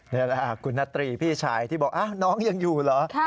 นี่แหละคุณนัตรีพี่ชายที่บอกน้องยังอยู่เหรอ